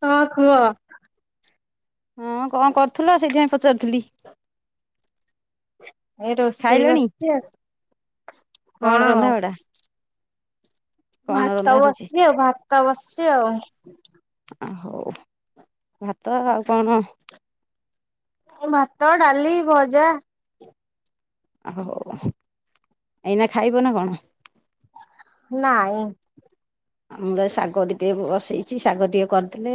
[inaudible] ହଁ କୁହ? ହଁ କଣ କରୁଥିଲ ସେଇଥିପାଇଁ ପଚାରୁଥିଲି। ଏଇ ରୋଷେଇ ଖାଇଲଣି ବସିଛି ଆ ହଁ କଣ ରନ୍ଧା ଆଉ। ବଢା କଣ ଭାତ ରନ୍ଧା ହଉଛି ବସିଛି ଆଉ ଭାତଉ ବସିଛି ଆଉ। ଆ ହଉ ଭାତ ଆଉ କଣ? ଭାତ, ଡାଲି, ଭଜା। ହୋଉ ଏଇନା ଖାଇବ ନା କଣ? ନାଇ। ଆଉ ମୁଁ ଶାଗିକେ ବସେଇଛି ଶାଗ ଟିକେ କରିଥୀଲେ।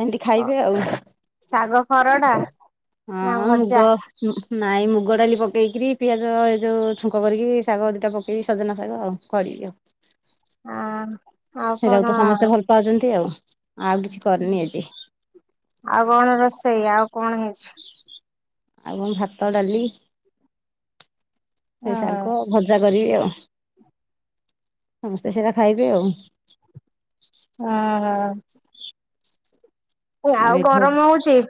ଏମତି ଖାଇବେ ଆଉ ଶାଗ ଖରଡା ନା ହଁ ଭଜା ମୁଗ। ନାଇଁ ମୁଗ ଡାଲି ପକେଇକରି ପିଆଜ ଏ ଯୋଉ ଛୁଙ୍କ କରିକି ଶାଗ ଦିଟା ପକେଇବି ସଜନା ଶାଗ ଆଉ କରିବି ଆଉ। ହଁ। ଆଉ କଣ ସେଟାକୁ ତ ସମସ୍ତେ ଭଲ ପାଉଛନ୍ତି ଆଉ। ଆଉ କିଛି କରିନି ଆଜି ଆଉ କଣ ରୋଷେଇ ଆଉ? କଣ ହେଇଛି? ଆ ଭାତ, ଡାଲି। ହୁଁ ସେଇ ସାଗ ଭଜା। କରିବେ ଆଉ ସମସ୍ତେ ସେଇଟା ଖାଇବେ ଆଉ। ହୁଁ ହ। ଆଉ ଗରମ ହଉଚି।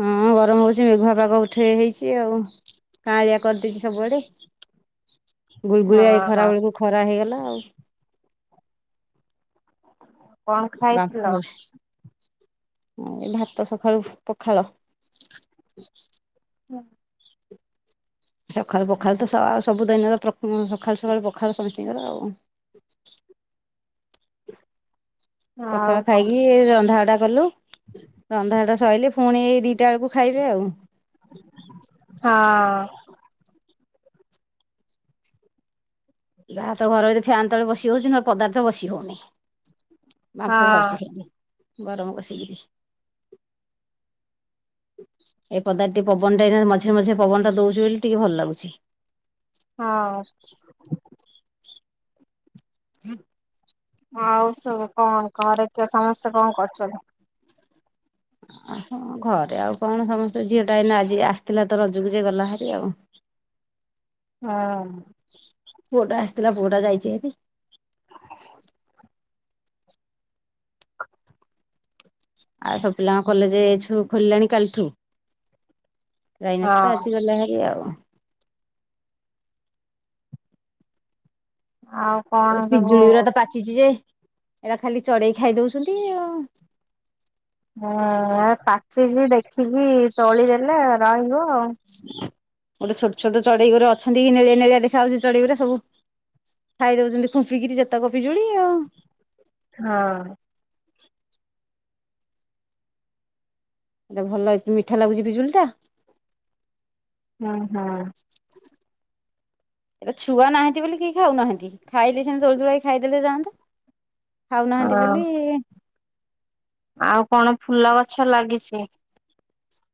ହଁ ଗରମ ହଉଛି ମେଘୁଆ ପାଖ ଉଠେଇ ହେଇଛି ଆଉ କାଁ ଆ କରିଦେଇଛି ସବୁଆଡେ। ହଁ ଗୁଳଗୁଳିଆଇ ଖରା ହଁ। ବେଳକୁ ଖରା ହେଇଗଲା ଆଉ। [inaudible] ହ। କଣ ବାମ୍ଫ ଖାଇଥିଲ? ଏ ଭାତ ସକାଳୁ ପଖାଳ। ହଁ। ସକାଳୁ ପଖାଳ ତ ସବୁଦିନରେ ସକାଳୁ ସକାଳୁ ପଖାଳ ସମସ୍ତଙ୍କର ଆଉ। ଆଉ ପଖାଳ କଣ? ଖାଇକି ରନ୍ଧାବଡା କଲୁ ରନ୍ଧାଡା ସରିଲେ ପୁଣି ଏ ଦିଟା ବେଳକୁ ଖାଇବେ ଆଉ। ହଁ। ହଁ ଯାହା ତ ଘରେ ଯଦି ଫ୍ୟାନ ତଳେ ବସି ହଉଛି ନ ପଦାର୍ଥ ବସି ହଉନି। ବାମ୍ଫ ହଁ। ଭାରୁଚି ଖାଲି। ଗରମ ବସିକିରୀ, ଏ ପଦାରେ ଟିକେ ପବନ ଟା ଏଇନା ମଝିରେ ମଝିରେ ପବନ ଟା ଦଉଛି ବୋଲି ଟିକେ ଭଲ ଲାଗୁଛି। ହଁ। ଆଉ ସବୁ କଣ ଘରେ କି ସମସ୍ତେ କଣ କରୁଛନ୍ତି? ଆ ଘରେ ଆଉ କଣ ସମସ୍ତେ ଝିଅଟା ଏଇନା ଆଜି ଆସିଥିଲା ତ ରଜକୁ ଜେ ଗଲା ଭାରି ଆଉ। ହଁ। ପୁଅ ଟା ଆସିଥିଲା ପୁଅ ଟା ଯାଇଛି ଭାରି। [inaudible] ଆଉ ସବୁ ପିଲାଙ୍କ କଲେଜ ଖୋଲିଲାଣି କାଲିଠୁ। ହଁ। ଯାଇନଥିଲେ ଆଜି ଗଲେ ଭାରି ଆଉ। ଆଉ କଣ ସବୁ ପିଜୁଳି ଗୁରା ତ ପାଚିଛି ଯେ ଏଇଟା ଖାଲି ଚଢେଇ ଖାଇ ଦଉଛନ୍ତି ଆଉ। ହଁ ପାଚିଛି ଦେଖିକି ତୋଳି ଦେଲେ ରହିବ ଆଉ। ଗୋଟେ ଛୋଟ ଛୋଟ ଚଢେଇ ଗୋରେ ଅଛନ୍ତି, ନେଳିଆ ନେଳିଆ ଦେଖାଯାଉଛି ଚଢେଇଗୁରା ସବୁ ଖାଇ ଦଉଛନ୍ତି ଖୁମ୍ପିକିରି ଯେତକ ପିଜୁଳି ଆଉ। ହଁ। [inaudible] ଏଟା ଭଲ ମିଠା ଲାଗୁଛି ପିଜୁଳି ଟା? ହୁଁ ହୁଁ। ଏଇଟା ଛୁଆ ନାହାନ୍ତି ବୋଲି କେହି ଖାଉ ନାହାନ୍ତି। ଖାଇଲେ ସେନ୍ତି ତୋଳୀ ତୁଳାକି ଖାଇଦଲେ ଜାନ ଖାଉନାହାନ୍ତି ବୋଲି ଆଉ କଣ ଫୁଲ ଗଛ ଲାଗିଛି?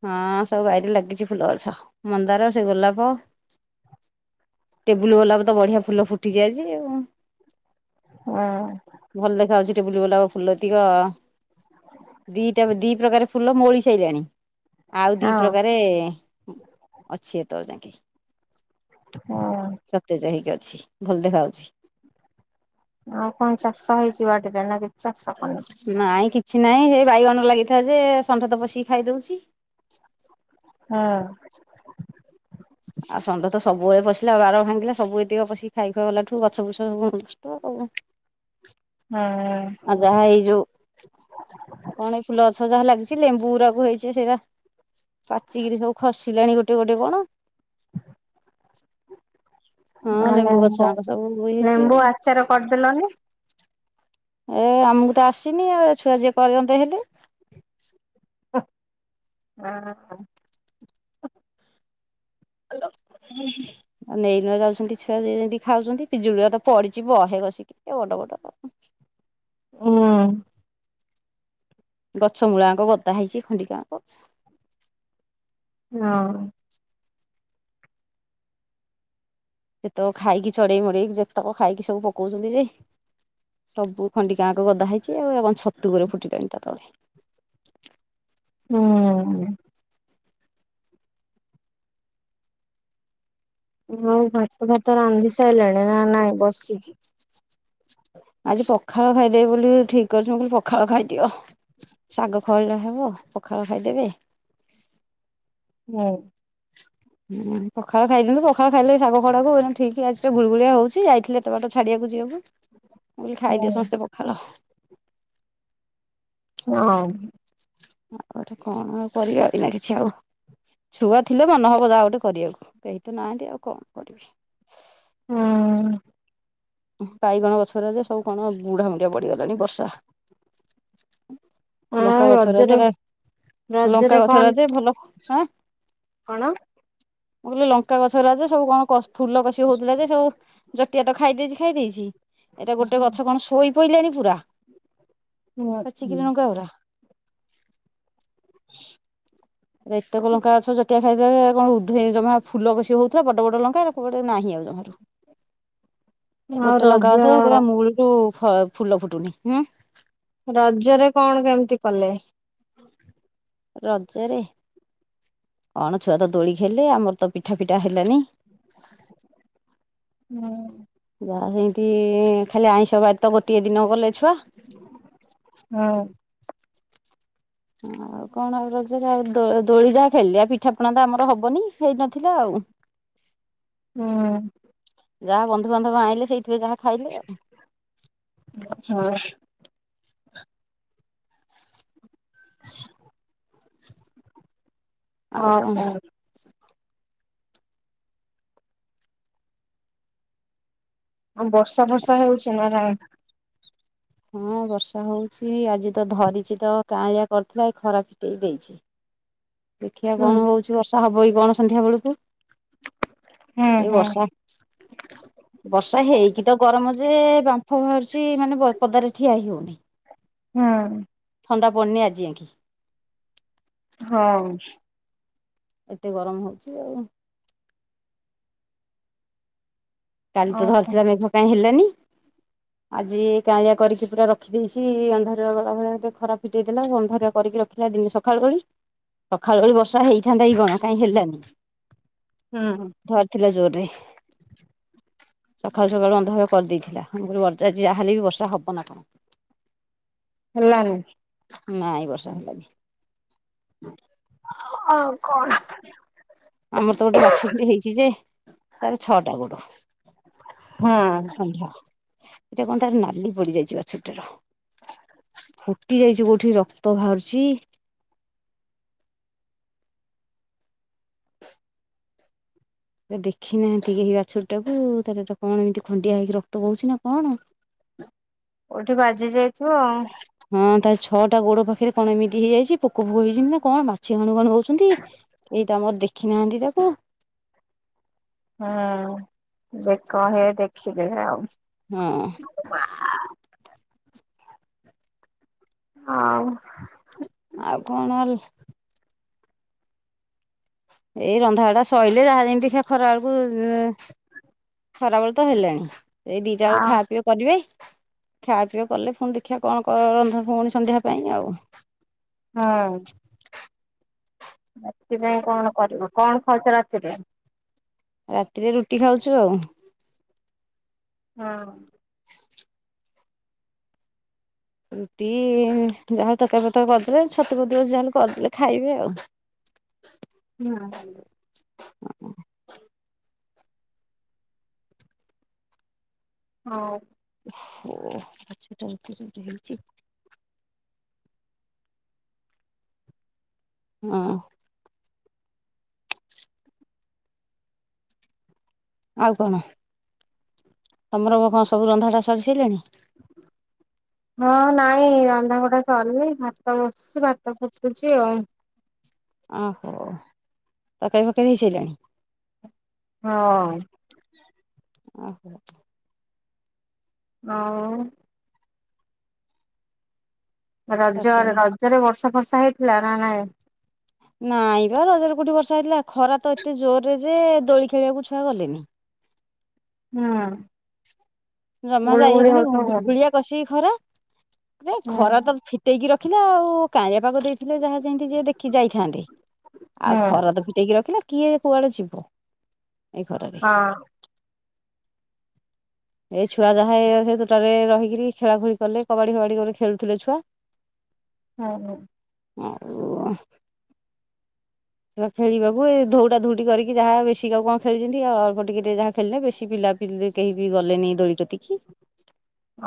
ହଁ ସବୁ ବାରରେ ଲାଗିଛି ଫୁଲ ଗଛ ମନ୍ଦାର, ସେ ଗୋଲାପ ଟେବୁଲ ଗୋଲାପ ତ ବଢିଆ ଫୁଲ ଫୁଟିଛି ଆଜି ଆଉ। ହଁ। ଭଲ ଦେଖା ହଉଛି ଟେବୁଲ ଗୋଲାପ ଫୁଲ ତିକ, ଦିଟା ଦି ପ୍ରକାର ଫୁଲ ମଉଳି ସାରିଲାଣି। ଆଉ ଦି ହଁ। ପ୍ରକାରେ ଅଛି ଏତ ବେଳ ଯାଏ। [unintelligible] ହୁଁ ସତେଜ ହେଇକି ଅ ଛି ଭଲ ଦେଖାହଉଛି। ଆଉ କଣ ଚାଷ ହେଇଛି ବାଡିରେ ନା କି ଚାଷ କଲୁ। ନାଇଁ କିଛି ନାଇଁ ସେ ବାଇଗଣ ଲାଗିଥିଲା ଯେ ଷଣ୍ଢ ତ ପଶିକି ଖାଇ ଦଉଛି। ହଁ। ଆଉ ଷଣ୍ଢ ତ ସବୁବେଳେ ପଶିଲା ଆଉ ବାର ଭାଙ୍ଗିଲା ସବୁ ଏତିକି ପଶିକି ଖାଇ ଖୁଆ ଗଲାଠୁ ଗଛ ବୁଛ ସବୁ ନଷ୍ଟ ଆଉ। ହଁ। ଆଉ ଯାହା ଏଇ ଯୋଉ କଣ ଏଇ ଫୁଲ ଗଛ ଯାହା ଲାଗିଛି କିଛି ଲେମ୍ବୁ ଗୁଡାକ ହେଇଛି ସେରା ପାଚିକିରି ସବୁ ଖସିଲାଣି ଗୋଟେ ଗୋଟେ କଣ? [unintelligible] ହଁ ଗଛ ଲେମ୍ବୁ ଆଙ୍କ ସବୁ ବୋହି ହେଇଛି ଲେମ୍ବୁ ଆଉ ଆଚାର କରିଦେଲନି। ଏ ଆମକୁ ତ ଆସିନି ଏ ଛୁଆ ଯିଏ କରିଦିଅନ୍ତେ ହେଲେ। ହଁ। ହ [unintelligible] ଆ ଯାଉଛନ୍ତି ଛୁଆ ଯ ଯେମିତି ଖାଉଛନ୍ତି ପିଜୁଳି ତ ପଡିଛି ବହେ ବସିକି ବଡ ବଡ। ହୁଁ। ଗଛ ମୂଳାଙ୍କ ଗଦା ହେଇଛି ଖଣ୍ଡିଙ୍କ ଯାଙ୍କ। ହଁ। ସେତେକ ଖାଇକି ଚଢେଇ ମଡେଇକି ଯେତେକ ଖାଇକି ସବୁ ପକଉଛନ୍ତି ଯେ ସବୁ ଖଣ୍ଡିିକାଙ୍କ ଗଦା ହେଇଛି ଆଉ ଏ ଛତୁ ଗୁଡାଏ ଫୁଟିିଲଣି ତା ତଳେ। ହୁଁ। ହଁ। [unintelligible] ଭାତ ଫାତା ରାନ୍ଧି ସାରିଲେଣି? ନା ନାଇଁ ବସିଛି। ଆଜି ପଖାଳ ଖାଇଦେବେ ବୋଲି ଠିକ କରିଛି ବୋଲି ପଖାଳ ଖାଇଦିଅ ଶାଗ ଖଳି ହବ ପଖାଳ ଖାଇଦେବେ। ହୁଁ। ହୁଁ ପଖାଳ। ଖାଇଦିଅନ୍ତୁ ପଖାଳ ଖାଇଲେ ଶାଗ ଖଡାକୁ ଠିକ ଆଜି ଟିକେ ଗୁଗୁଳି ହଉଛି। ଥିଲେ ଏତେ ବାଟ ଛାଡିବାକୁ। ମୁଁ କହିଲି ଖାଇଦିଅ ସମସ୍ତେ ପଖାଳ। ହଁ। ଆଉ ଗୋଟେ କଣ କରିବା ବି ନା କିଛି ଆଉ ଛୁଆ ଥିଲେ ମନେ ହବ ଯ ଆଉ ଗୋଟେ କରିବାକୁ କେହି ତ ନାହାଁନ୍ତି ଆଉ କଣ କରିବି? ହୁଁ। ବାଇଗଣ ଗଛରେ ଯେ ସବୁ କଣ ବୁଢାମୁଢିଆ ବଢିଗଲାଣି ବର୍ଷା। ଆଉ ଲଙ୍କା ଗଛ ରଜରେ ରାଜେ ରେ ରଜରେ ଲଙ୍କା ଗଛ କଣ ରାଜେ ଭଲ ଅଁ। କଣ? ମୁଁ କହିଲେ ଲଙ୍କା ଗଛ ରାଜେ ସବୁ କଣ କ ଫୁଲ କଷି ହଉଥିଲା ଯେ ସବୁ। ଜଟିଆ ତ ଖାଇ ଦେଇେଛି ଖାଇ ଦେଇେଛି। ଏଇଟା ଗୋଟେ ଗଛ କଣ ଶୋଇ ଶୋଇଲାନ ପୁରା। ପଚିକିରି ଲଙ୍କା ଗୁରା। ଏତେକ ଲଙ୍କା ଗଛ ଜଟିଆ ଖାଇଦ କଣ ଉଦ୍ଧେଇନି ଜମା ଫୁଲ କଷି ହଉଥିଲା ବଡ ବଡ ଲଙ୍କାଟେ ନାହିଁ ଆଉ ଜମାରୁ। ଆଉ ଗୋଟେ ଲଙ୍କା ରଜ ଅସେ ସେଥି ମୂଳରୁୁ ଫ ଫୁଲ ଫୁଟୁନି ହୁଁ। ରଜରେ କଣ କେମିତି କଲେ? ରଜାରେରେ କଣ ଛୁଆ ତ ଦୋଳି ଖାଇଲେ ଆମର ତ ପିଠା ପିଠା ହେଲାନି। ହୁଁ। ସେମତି ଖାଲି ଆଇଁଷ ବାର ତ ଗୋଟିଏ ଦିନ ଗଲେ ଛୁଆ ହଁ। ଆଉ କଣ ଆଉ ରଜରେ ଆଉ ଦୋଳି ଯାହା ଖେଳିଲଆ ପିଠାପଣା ତ ଆମର ହବନି ହେଇନଥିଲା ଆଉ। ହଁ। ଯାହା ବନ୍ଧୁ ବାନ୍ଧବ ଆଣିଲ ସେଇ ଟିକେ ଯାହା ଖାଇଲେ ଆଉ ହଁ। ହ ଆଉ କଣ କ ବର୍ଷା ବର୍ଷା ହେଉଛି ନା ନା। ହଁ ବର୍ଷା ହଉଛି ଆଜି ତ ଧରିଛି ତ କାଁଳିଆ କରିୁଥିଲା ଏ ଖରା ଫଟେଇ ଦେଇଛି। ଦେଖିବା ହୁଁ କଣ ହଉଛି ବର୍ଷ। ତ ହବ ଏଇ କଣ ସନ୍ଧ୍ୟା ବେଳକୁ ଏ ହୁଁ ବର୍ଷା ବର୍ଷା ହେଇକି ତ ଗରମ ଯେ ଖର କିଛି ମାନେ ପଦାରେ ଠିଆ ହେ ହଉନି। ହଁ। ହୁଁ। ଥଣ୍ଡା ପଡ଼ନି ଆଜି ଆ କିି ହଁ। ଏତେ ଗରମ ହଉଛି ଆଉ କାଲି ତ ଆଉ କଣ? ଧରିଥିଲା ମେଘ କାଇହିଁ ହେଲେନି। ଆଜି କାଳିଆ କରିକି ପୁରା ରଖିଦେଇଛି ଅନ୍ଧାର ଗଲା ଭଳିଆ ଟିକେ ଖରାପ ଫିଟଇଥିଲା ଅନ୍ଧାରଆ କରିକି ରଖିଲା ଦିନ ସକାଳୁ କଳି ସକାଳ କ ବର୍ଷା ହେଇଥାନ୍ତା ଏଇ କଣ କାହିଁ ହେଲାନି। ହୁଁ ଧରିଥିଲା ଜୋର ଇ ସକାଳୁ ସକାଳୁ ଅନ୍ଧକାର କରିଦେଇଥିଲା ଆ ବର୍ଜାଛି ଯାହାହେଲେ ବି ବର୍ଷା ହବ ନା କଣ। ହେଲ ନା ଏଇ ବର୍ଷା ହେଲା କି? ଆଉ କଣ? ଆମର ତ ଗୋଟେ ବାଛୁରୀଟେ ହେଇଛି ଯେ ତାର ଛଅଟା ଗୋଡ। ଷଣ୍ଢ ହଁ। ଏଇଟା କଣ ତାର ନାଲି ପଡିଯାଇଛିି ବାଛୁରୀ ଟାର। ଫୁଟି ଯାଇଛି କୋଉଠି ରକ୍ତ ବାହାରୁଛି। ଦେଖିନାହାନ୍ତି କେହି ବାଛୁରୀ ଟାକୁ ତାର ଗୋଟେ କଣ ଏମିତି ଖଣ୍ଡିଆ ହେଇକି ରକ୍ତ ବହୁଛି ନା କଣ। ଓଠି ବା। ବାଜି ଯାଇଥିବ ଆଉ। ହଁ ତା ଛଅଟା ଗୋଡ ପାଖରେ କଣ ଏମିତି ହେଇଯାଇଛି ପୋକ ଫୋକ ହେଇଛନ୍ତି ନା କଣ ମାଛି ଭାନୁ ଭାନୁ ହଉଛନ୍ତି ଏଇ ତ ଆମର ଦେଖି ନାହାନ୍ତି ତାକୁ। ହଁ। ଦେ କହ ଦେଖିଦେବେ ଆଉ। ହଁ। [inaudible] ହଁ ଆଉ। ଆଉ କଣଲ ଏଇ ରନ୍ଧାବଢ଼ା ସହିଲେ ଯାହା ଯେମିତି ସେ ଖରା ବେଳକୁ ଉଁ ଖରାବେଳେ ତ ହେଲାଣି। ଏଇ ଦୁଇଟା ବେଳକୁ ଖାଇବା ପିଇବା କରିବେ ଖାଇବା ପିଇବା କଲେ ପୁଣି ଦେଖିବା କଣ ରନ୍ଧା ପୁଣି ସନ୍ଧ୍ୟାବେଳ ପାଇଁ ଆଉ। ହୁଁ। ରାତିପାଇଁ କଣ କରିବ କଣ କଣ ଖାଉଛ ରାତିରେ? ରାତିରେ ରୁଟି ଖାଉଛୁ ଆଉ। ହଁ। [inaudible] ରୁଟି ଯାହା ତରକାରୀ ପତ୍ର କରିଦେଲେ ଚତୁ ଫତୁ ଅଛି ଯାହା କରିଦେଲେ ଖାଇବେ ଆଉ। ହୁଁ। [inaudible] ହୋଉ। [inaudible] ହଁ। ଆଉ କଣ ତମର କଣ [inaudible] ତମର କଣ ସବୁ ରନ୍ଧାବଢ଼ା ସରି ସାରିଲାଣି? ହଁ ନାଇଁ ରନ୍ଧାବଢା ସରିନି ଭାତ ବସୁଛି ଭାତ ଫୁଟୁଛି ଆଉ। ଓହୋ [inaudible] ତରକାରୀ ଫର୍କରି ହେଇସାରିଲାଣି। ହଁ। ଓହୋ। ହୋଉ। ରଜ ତରକାରୀ ରଜରେ ବର୍ଷା ବର୍ଷା ହେଇଥିଲା ନା ନାହିଁ? ନାଇଁ ବା ରଜରେ କୋଉଠି ବର୍ଷା ହେଇଥିଲା ଖରା ତ ଏତେ ଜୋର ରେ ଯେ ଦୋଳି ଖେଳିବାକୁ ଛୁଆ ଗଲେନି। ହୁଁ। ଜମା ଗୁଳୁ ଯାଇ ଗୁଳି ହେଲାନି ହଉଥିବ। ଗୁଲୁ ଗୁଳିଆ କଷିକି ଖରା ହୁଁ ଖରା ତ ଫିଟେଇକି ର ଦେଖା ଆଉ କାଳିଆ ପାଗ ଦେଇ ଯାହା ଯେମତି ଯିଏ ଦେଖି ଯାଇଥାନ୍ତନ୍ତି ହୁଁ ଆଉ ହଁ ହୁଁ। ଖର ତ ଫିଟେଇକି ରଖିଲେ କିଏ କୁଆଡେ ଯିବ [inaudible] ଏଇ ଖରାରେ ଏଇ ଛୁଆ ଯାହା ସେ ତୋଟାରେ ରହିକରି ଖେଳା ଖେଳି କଲେ କବାଡି ଫବାଡି ଗଲେ ଖେଳୁଥିଲେ ଛୁଆ [inaudible] ହୁଁ ହୁଁ। ଆଉ ଖେଳିବାକୁ ଏ ଧଉଡା ଧଉଟି କରିକି ଯାହା ବେଶୀ ଆଉ କଣ ଖେଳିଛନ୍ତି ଆଉ ଅଳ୍ପ ଟିକିେ ଯାହା ଖେଳିଲେ ବେଶୀ ପିଲାପିଲି କେହି ବି ଗଲେନି। ଦୋଳିିକତି କିି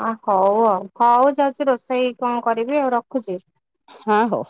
ଆ ହଉ ଆଉ ହଉ ଯାଉଛି ରୋଷେଇ କଣ କରିବି ଆଉ ର ଖୁଛି। ହଁ ହଉ।